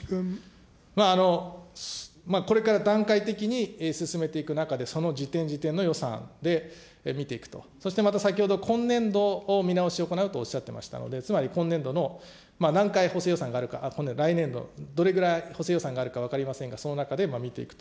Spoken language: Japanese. これから段階的に進めていく中で、その時点時点の予算で見ていくと、そして先ほど、今年度見直しを行うとおっしゃっていましたので、つまり今年度の、何回補正予算があるか、来年度、どれぐらい補正予算があるか分かりませんが、その中で見ていくと。